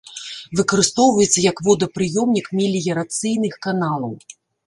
Выкарыстоўваецца як водапрыёмнік меліярацыйных каналаў.